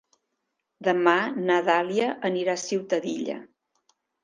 Demà na Dàlia anirà a Ciutadilla.